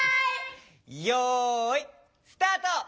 よいスタート！